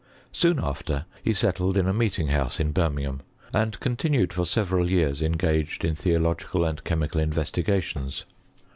Soon after, he settled in a meeting house in Bir mingham, and continued for several years engaged in theological and chemical investigations.